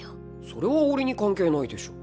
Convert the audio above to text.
それは俺に関係ないでしょ。